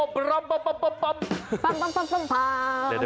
ปัมปัมปัมปัมปัม